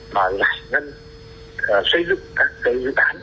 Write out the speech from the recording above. mà lãnh ngân xây dựng các dự án